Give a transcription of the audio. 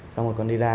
xong rồi con đi ra